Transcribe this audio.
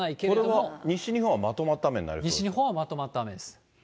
これは西日本は、西日本はまとまった雨です。